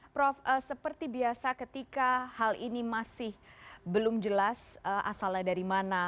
prof seperti biasa ketika hal ini masih belum jelas asalnya dari mana